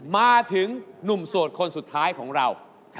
มาถึงหนุ่มโสดคนสุดท้ายของเรา